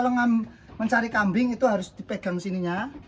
yang penting kalau mencari kambing itu harus dipegang semua ini